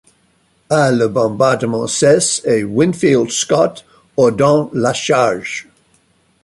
À le bombardement cesse et Winfield Scott ordonne la charge.